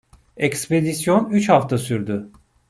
Ekspedisyon üç hafta sürdü.